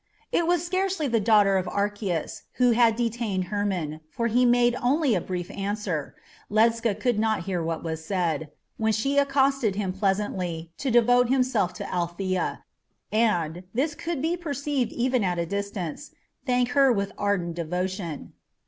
It was scarcely the daughter of Archias who had detained Hermon, for he made only a brief answer Ledscha could not hear what it was when she accosted him pleasantly, to devote himself to Althea, and this could be perceived even at a distance thank her with ardent devotion.